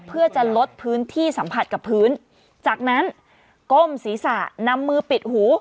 เพื่อจะลดพื้นที่สัมผัสกับพื้นจากนั้นก้มศีรษะนำมือปิดหู